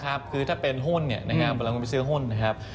ครับคือถ้าเป็นหุ้นเนี้ยนะครับชื่อหุ้นนะครับ